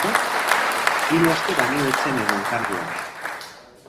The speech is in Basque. Hiru aste baino ez zen egon karguan.